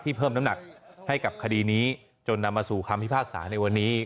เพิ่มน้ำหนักให้กับคดีนี้จนนำมาสู่คำพิพากษาในวันนี้